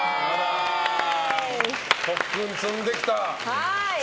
特訓を積んできたと。